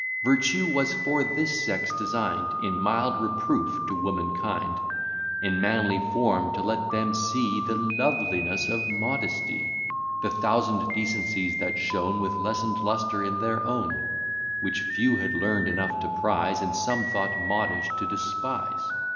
Virtue was for this sex design'd, In mild reproof to womankind; In manly form to let them see The loveliness of modesty, The thousand decencies that shone With lessen'd lustre in their own; Which few had learn'd enough to prize, And some thought modish to despise.